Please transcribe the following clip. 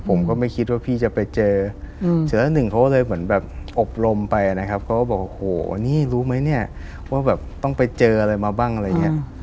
ผมก็ไม่คิดว่าพี่จะไปเจอเสร็จแล้วหนึ่งเขาเลยเหมือนแบบอบรมไปนะครับเขาก็บอกโอ้โหนี่รู้ไหมเนี่ยว่าแบบต้องไปเจออะไรมาบ้างอะไรอย่างนี้